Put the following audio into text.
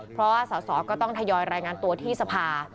เพราะว่าสอสอก็ต้องทยอยรายงานตัวที่สภา